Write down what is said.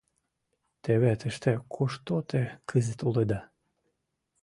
— Теве тыште, кушто те кызыт улыда.